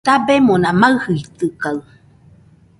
Dabemona maɨjitɨkaɨ